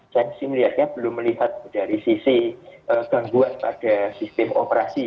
saya sih melihatnya belum melihat dari sisi gangguan pada sistem operasi